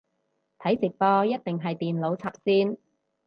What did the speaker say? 睇直播一定係電腦插線